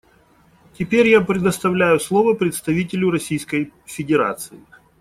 Теперь я предоставляю слово представителю Российской Федерации.